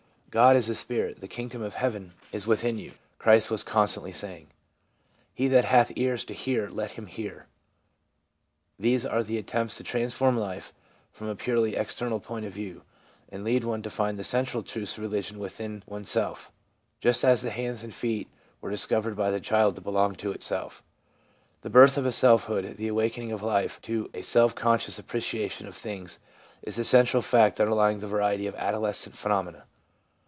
'God is a Spirit': 'The Kingdom of Heaven i§ ADOLESCENCE— BIRTH OF A LARGER SELF 253 within you/ Christ was constantly saying. ' He that hath ears to hear let him hear/ These are the attempts to transform life from a purely external point of view, and lead one to find the central truths of religion within oneself, just as the hands and feet were discovered by the child to belong to itself. This birth of a selfhood, the awakening of life to a self conscious appreciation of things, is the central fact underlying the variety of adolescent phenomena.